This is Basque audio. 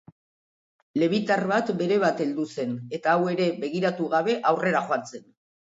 Lebitar bat berebat heldu zen, eta hau ere, begiratu gabe, aurrera joan zen.